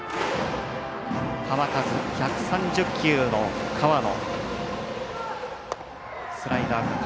球数、１３０球の河野。